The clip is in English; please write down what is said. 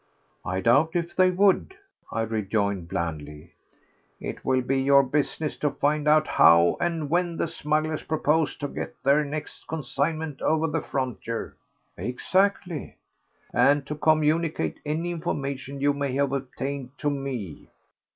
"I doubt if they would," I rejoined blandly. "It will be your business to find out how and when the smugglers propose to get their next consignment over the frontier." "Exactly." "And to communicate any information you may have obtained to me."